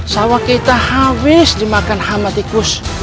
sawak kita habis dimakan hamat ikus